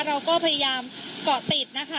เราก็พยายามเกาะติดนะคะ